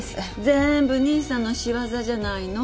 全部兄さんの仕業じゃないの？